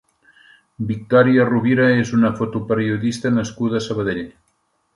Victòria Rovira és una fotoperiodista nascuda a Sabadell.